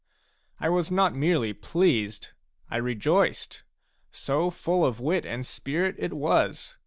I was not merely pleased ; I rejoiced. So full of wit and spirit it was